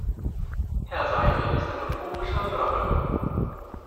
Herr Seidel ist ein notorischer Nörgler.